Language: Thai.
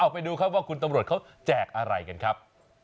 ไปดูครับว่าคุณตำรวจเขาแจกอะไรกันครับ